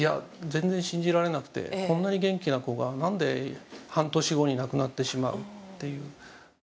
全然信じられなくて、こんなに元気な子がなんで半年後に亡くなってしまうという。